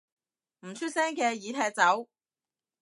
唔出聲嘅已踢走